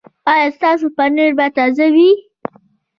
ایا ستاسو پنیر به تازه وي؟